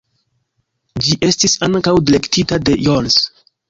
Ĝi estis ankaŭ direktita de Jones.